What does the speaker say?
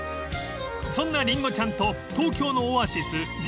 ［そんなりんごちゃんと東京のオアシス］